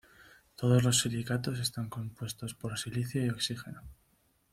Todos los silicatos están compuestos por silicio y oxígeno.